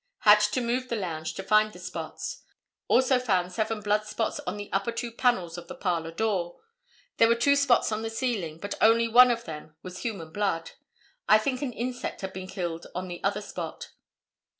Had to move the lounge to find the spots. Also found seven blood spots on the upper two panels of the parlor door. There were two spots on the ceiling, but only one of them was human blood. I think an insect had been killed on the other spot.